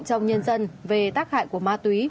trong nhân dân về tác hại của ma túy